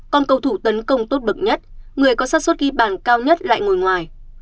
con cầu thủ tấn công tốt bậc nhất người có sát xuất ghi bàn cao nhất lại ngồi ngoài